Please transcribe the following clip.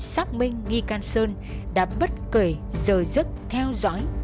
xác minh nghi can sơn đã bất kể rời rớt theo dõi